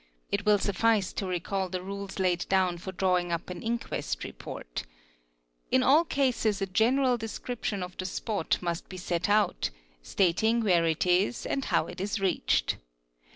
It will suffice to recall the : iles laid down for drawing up an inquest report. In all cases a general "As SEE SPARE: SNe, escription of the spot must be set out, stating where it is and how it is sached.